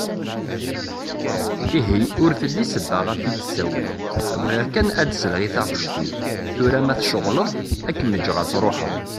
Ihi ur telli ssebba ɣef i d-ssawleɣ ; bɣiɣ kan ad d-sleɣ i taɣect-im. Tura ma tceɣleḍ ad kem-ǧǧeɣ ad truḥeḍ.